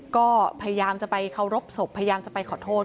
ก็พยายามจะไปเคารพศพพยายามจะไปขอโทษ